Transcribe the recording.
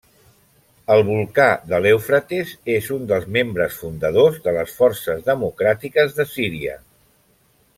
El Volcà de l'Eufrates és un dels membres fundadors de les Forces Democràtiques de Síria.